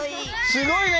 すごいね！